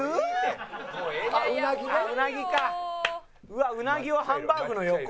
うなぎはハンバーグの横」